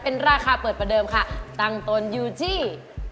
ประเดิมค่ะตังค์ตนอยู่ที่